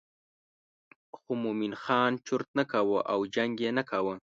خو مومن خان چرت نه کاوه او جنګ یې نه کاوه.